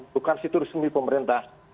bukan situ resmi pemerintah